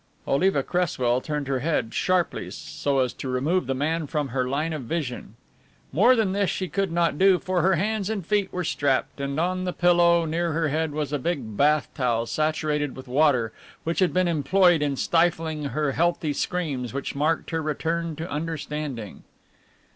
Oliva Cresswell turned her head sharply so as to remove the man from her line of vision. More than this she could not do, for her hands and feet were strapped, and on the pillow, near her head, was a big bath towel saturated with water which had been employed in stifling her healthy screams which marked her return to understanding.